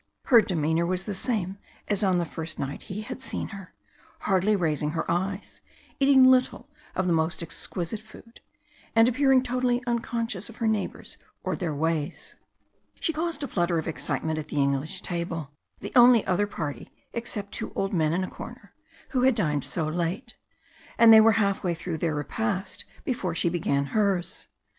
Her demeanour was the same as on the first night he had seen her, hardly raising her eyes, eating little of the most exquisite food, and appearing totally unconscious of her neighbours or their ways. She caused a flutter of excitement at the English table, the only other party, except two old men in a corner, who had dined so late, and they were half way through their repast before she began hers.